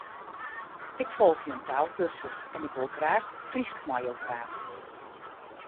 Ik folgje in taalkursus en ik wol graach Frysk mei jo prate.